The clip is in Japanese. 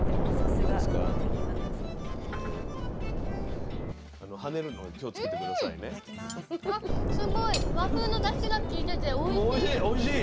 すごい和風のだしが利いてておいしい。